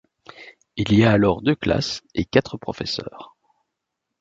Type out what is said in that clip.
Il y a alors deux classes et quatre professeurs.